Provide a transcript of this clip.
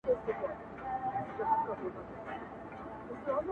تاسي تازه راغلي یاست